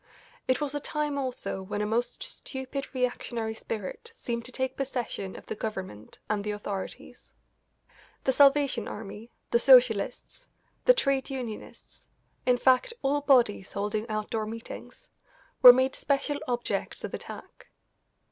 It was a time also when a most stupid reactionary spirit seemed to take possession of the Government and the authorities. The Salvation Army, the Socialists, the trade unionists in fact, all bodies holding outdoor meetings were made special objects of attack.